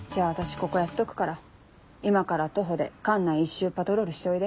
ここやっとくから今から徒歩で管内一周パトロールしておいで。